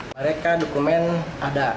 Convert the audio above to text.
mereka dokumen ada